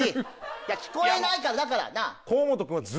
いや聞こえないからだからなぁ。